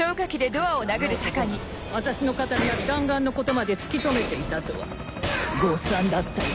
しかしあの男が私の肩にある弾丸のことまで突き止めていたとは誤算だったよ。